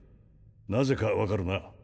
なぜか分かるな？